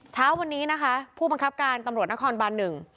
เช้าวันนี้นะคะผู้บังคับการตำรวจนครบานหนึ่ง